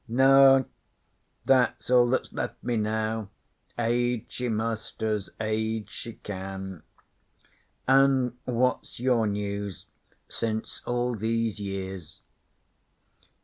'No. That's all that's left me now. Age she must as Age she can. An' what's your news since all these years?'